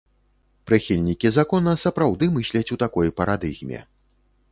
Прыхільнікі закона сапраўды мысляць у такой парадыгме.